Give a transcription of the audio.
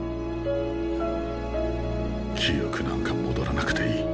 記憶なんか戻らなくていい。